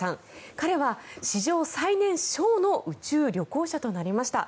彼は史上最年少の宇宙旅行者となりました。